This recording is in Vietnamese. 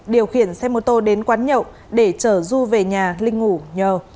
điều khiển xe mô tô đến quán nhậu để chở du về nhà linh ngủ nhờ